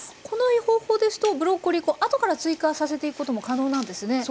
この方法ですとブロッコリー後から追加させていくことも可能なんですね。